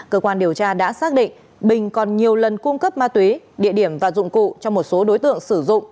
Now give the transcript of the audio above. cơ quan điều tra đã xác định bình còn nhiều lần cung cấp ma túy địa điểm và dụng cụ cho một số đối tượng sử dụng